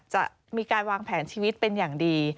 จะมีการวางแผนชีวิตเป็นอย่างดี